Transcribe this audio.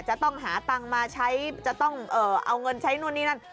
จะต้องหาตังค์มาใช้จะต้องเอาเงินใช้นู่นนี่นั่น